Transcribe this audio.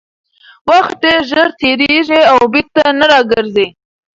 وخت ډېر ژر تېرېږي او بېرته نه راګرځي